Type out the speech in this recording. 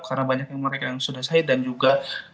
karena banyak yang mereka yang sudah sahid dan juga